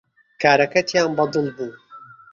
کارەکەتیان بەدڵ بوو